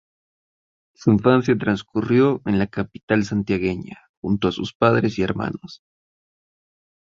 Su infancia transcurrió en la capital santiagueña junto a sus padres y hermanos.